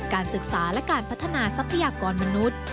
การศึกษาและการพัฒนาทรัพยากรมนุษย์